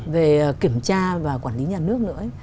về kiểm tra và quản lý nhà nước nữa